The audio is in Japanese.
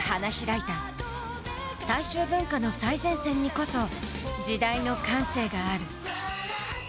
大衆文化の最前線にこそ時代の感性がある。